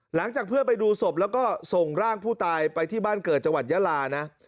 หลังจากเพื่อนไปดูศพแล้วก็ส่งร่างผู้ตายไปที่บ้านเกิดจังหวัดยาลานะ